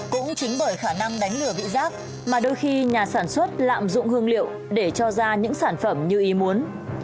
cũng chính bởi khả năng đánh lừa vị rác mà đôi khi nhà sản xuất lạm dụng hương liệu để cho ra những sản phẩm như ý muốn